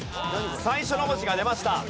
最初の文字が出ました。